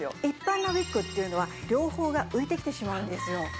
一般のウィッグっていうのは両方が浮いてきてしまうんですよ。